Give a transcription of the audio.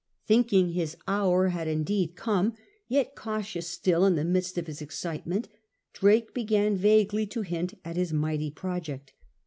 Thinking his hour had indeed come, yet cautious still in the midst of his excitement, Drake began vaguely to hint at his mighty project.